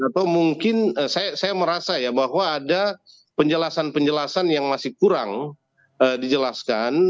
atau mungkin saya merasa ya bahwa ada penjelasan penjelasan yang masih kurang dijelaskan